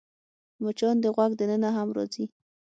مچان د غوږ دننه هم راځي